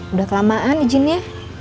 udah kelamaan izinnya